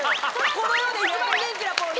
この世で一番元気なポーズ。